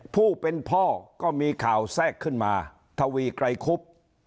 ผู้เป็นพ่อก็มีข่าวแทรกขึ้นมาทวีไกรคุบ